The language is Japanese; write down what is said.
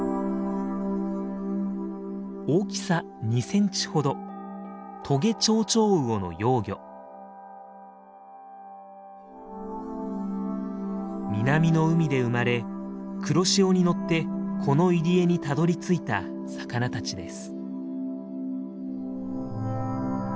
大きさ２センチほど南の海で生まれ黒潮に乗ってこの入り江にたどりついた魚たちです。